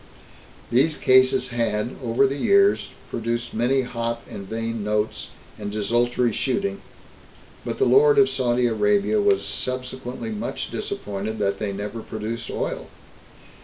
These oases had, over the years, produced many hot and vain notes, and desultory shooting, but the Lord of Saudi Arabia was subsequently much disappointed that they never produced oil.